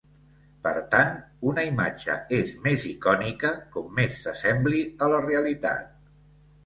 Per tant, una imatge és més icònica com més s'assembli a la realitat.